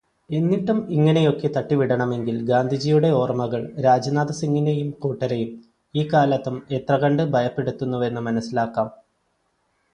എന്നിട്ടും ഇങ്ങനെയൊക്കെ തട്ടിവിടണമെങ്കിൽ ഗാന്ധിജിയുടെ ഓർമ്മകൾ രാജ്നാഥ് സിംഗിനെയും കൂട്ടരെയും ഈ കാലത്തും എത്രകണ്ട് ഭയപ്പെടുത്തുന്നുവെന്ന് മനസിലാക്കാം.